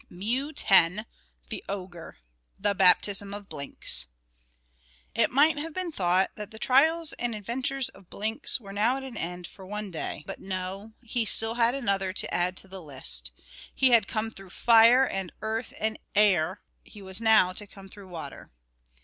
MEW X. The Ogre. The Baptism of Blinks. It might have been thought that the trials and adventures of Blinks were now at an end for one day; but, no, he had still another to add to the list. He had come through fire and earth and air; he was now to come through water.